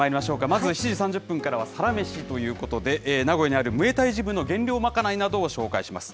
まずは７時３０分からはサラメシということで、名古屋にあるムエタイジムの減量まかないなどを紹介します。